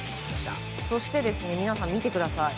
そして皆さん見てください。